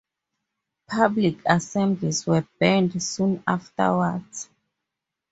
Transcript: Public assemblies were banned soon afterwards.